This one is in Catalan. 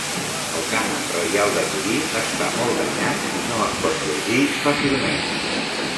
El cànon reial de Torí està molt danyat i no es pot llegir fàcilment.